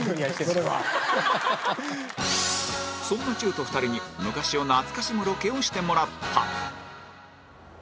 そんなチュート２人に昔を懐かしむロケをしてもらった